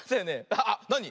あっなに？